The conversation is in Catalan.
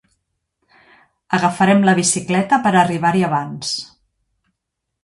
Agafarem la bicicleta per arribar-hi abans.